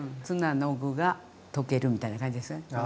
ツナの具が溶けるみたいな感じですね。